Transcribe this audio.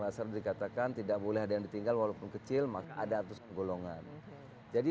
dasar dikatakan tidak boleh ada yang ditinggal walaupun kecil maka ada atas pegolongan jadi